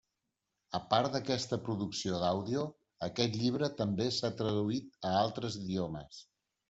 A part d'aquesta producció d'àudio, aquest llibre també s'ha traduït a altres idiomes.